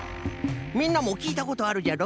みんなもきいたことあるじゃろ？